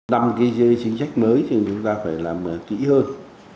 đăng cái chính sách mới thì chúng ta phải làm kỹ hơn